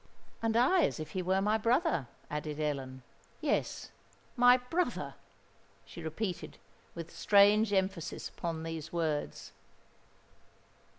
"And I as if he were my brother," added Ellen;—"yes—my brother," she repeated, with strange emphasis upon these words.